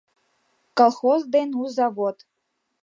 Колхоз ден у завод